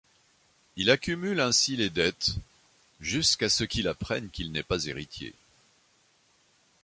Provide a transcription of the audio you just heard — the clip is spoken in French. Il accumule ainsi les dettes... jusqu'à ce qu'il apprenne qu'il n'est pas héritier.